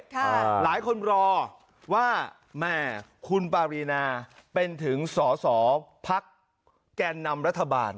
หลายคนรอว่าแม่คุณปารีนาเป็นถึงสอสอพักแกนนำรัฐบาล